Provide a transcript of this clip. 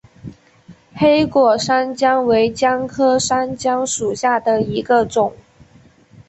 黑果山姜为姜科山姜属下的一个种。